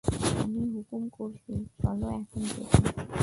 আমি হুকুম করছি, চলো এখন খেতে।